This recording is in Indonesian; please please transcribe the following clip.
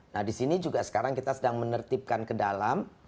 nah di sini juga sekarang kita sedang menertibkan ke dalam